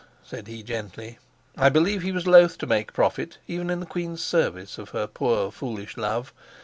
said he gently. I believe he was loath to make profit, even in the queen's service, of her poor foolish love.